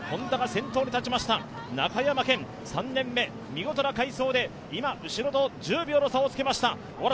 Ｈｏｎｄａが先頭に立ちました、中山顕３年目、見事な快走で今、後ろと１０秒の差をつけました。